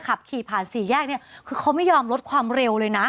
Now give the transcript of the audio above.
ขับขี่ผ่านสี่แยกเนี่ยคือเขาไม่ยอมลดความเร็วเลยนะ